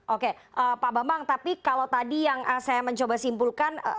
oke pak bambang tapi kalau tadi yang saya mencoba simpulkan